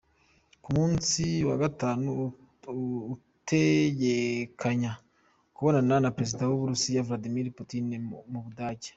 Ku munsi wa gatanu, ategekanya kubonana na Prezida w'Uburusiya , Vladimir Putin, mu Budagi.